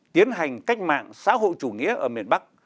tiến hành cách mạng xã hội chủ nghĩa ở miền bắc